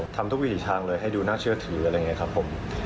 ทำทุกวิถีทางเลยให้ดูน่าเชื่อถืออะไรอย่างนี้ครับผม